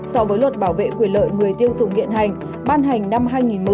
so với luật bảo vệ quyền lợi người tiêu dùng hiện hành ban hành năm hai nghìn một mươi